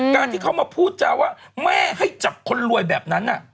การที่เขามาพูดจาว่าแม่ให้จับคนรวยแบบนั้น